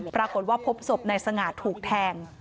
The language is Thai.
ปรากฏว่าพบศพนายสง่าถูกแทง